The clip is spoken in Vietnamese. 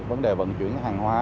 vấn đề vận chuyển hàng hóa